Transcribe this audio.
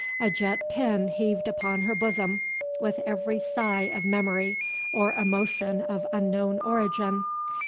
A jet pin heaved upon her bosom with every sigh of memory, or emotion of unknown origin.